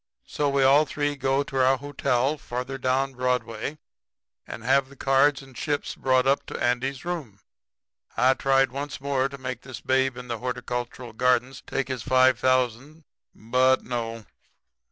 So we all three go to our hotel further down Broadway and have the cards and chips brought up to Andy's room. I tried once more to make this Babe in the Horticultural Gardens take his five thousand. But no.